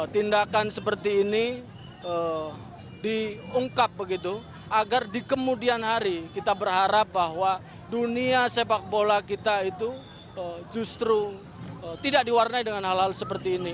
tindakan seperti ini diungkap begitu agar di kemudian hari kita berharap bahwa dunia sepak bola kita itu justru tidak diwarnai dengan hal hal seperti ini